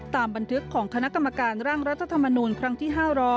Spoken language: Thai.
ตามบันทึกของคณะกรรมการร่างรัฐธรรมนูลครั้งที่๕๐๐